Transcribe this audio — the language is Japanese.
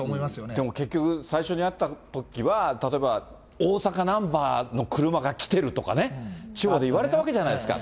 でも、結局、最初にあったときは、例えば大阪ナンバーの車が来てるとかね、地方でいわれたわけじゃないですか。